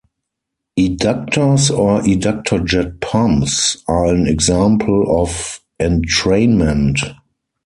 Eductors or eductor-jet pumps are an example of entrainment.